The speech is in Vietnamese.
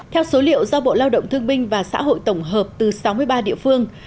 theo số liệu do bộ lao động thương binh và xã hội tổng hợp từ sáu mươi ba địa phương